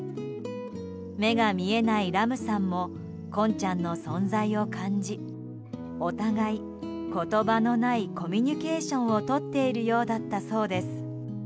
目が見えないラムさんもコンちゃんの存在を感じお互い、言葉のないコミュニケーションをとっているようだったそうです。